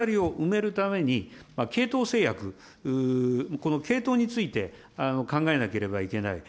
そういったことから、この隔たりを埋めるために、系統制約、この系統について考えなければいけない。